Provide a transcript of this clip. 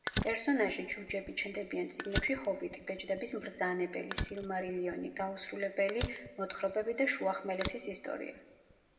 პერსონაჟი ჯუჯები ჩნდებიან წიგნებში „ჰობიტი“, „ბეჭდების მბრძანებელი“, „სილმარილიონი“, „დაუსრულებელი მოთხრობები“ და „შუახმელეთის ისტორია“.